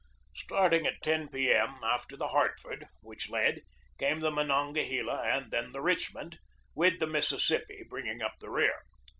Starting at 10 p. M., after the Hartford, which led, came the Monongahela and then the Richmond, with the Mississippi bringing up the rear.